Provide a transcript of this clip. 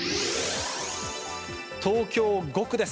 東京５区です。